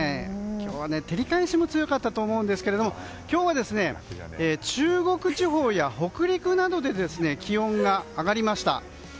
今日は照り返しも強かったと思うんですが今日は中国地方や北陸などで気温が上がりました。